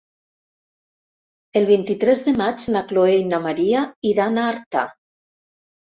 El vint-i-tres de maig na Chloé i na Maria iran a Artà.